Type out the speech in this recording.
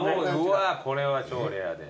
これは超レアで。